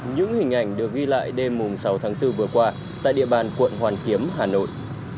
những hình ảnh được ghi lại đêm sáu tháng bốn vừa qua tại địa bàn quận hoàn kiếm hà nội